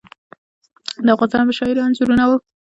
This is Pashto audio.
د افغانستان د مشاهیرو انځورونه وو.